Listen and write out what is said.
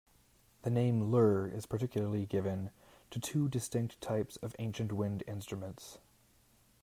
The name lur is particularly given to two distinct types of ancient wind instruments.